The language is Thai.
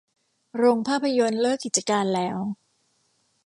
โรงภาพยนตร์เลิกกิจการแล้ว